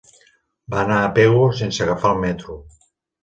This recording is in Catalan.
Va anar a Pego sense agafar el metro.